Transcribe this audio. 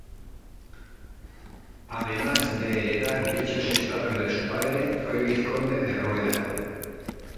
Además de heredar dichos estados de su padre fue vizconde de Rueda.